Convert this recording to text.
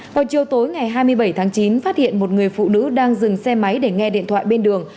vào chiều tối ngày hai mươi bảy tháng chín phát hiện một người phụ nữ đang dừng xe máy để nghe điện thoại bên đường